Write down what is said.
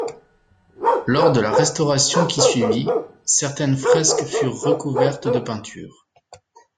Lors de la restauration qui suivit, certaines fresques furent recouvertes de peinture.